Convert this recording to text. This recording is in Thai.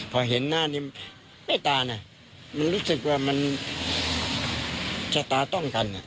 พอเห็นหน้านี้เมตตานะมันรู้สึกว่ามันชะตาต้องกัน